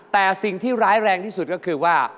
แต่สิ่งที่ร้ายแรงที่สุดก็คือว่า